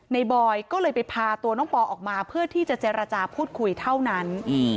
บอยก็เลยไปพาตัวน้องปอออกมาเพื่อที่จะเจรจาพูดคุยเท่านั้น